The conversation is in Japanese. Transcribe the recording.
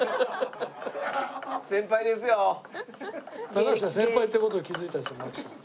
高橋が先輩って事に気付いたんですよ槙さん。